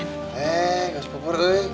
nek gaspupur dulu ya